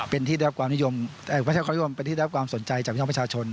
เป็นที่ได้รับความสนใจจากน้องประชาชน